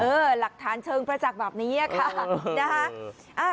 เออหลักฐานเชิงประจักษ์แบบนี้อ่ะค่ะ